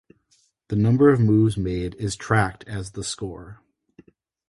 The number of moves made is tracked as the score.